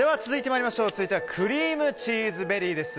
続いてはクリームチーズベリーです。